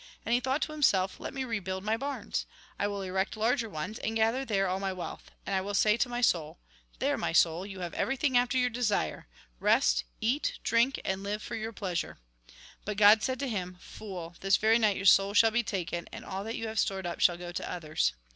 And he thought to himself : Let me rebuild my barns. I will erect larger ones, and gather there all my wealth. And I will say to my soul :' There, my soul, you have everything Lk. X. 39. THE FALSE LIFE 79 Lk. xii. 20. xUi. 2. after your desire ; rest, eat, drink, and live for your pleasure.' But God said to him :' Fool, this very night your soul shall be taken ; and all that you have stored up shall go to others.'